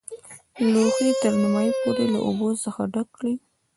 لوښی تر نیمايي پورې له اوبو څخه ډک کړئ.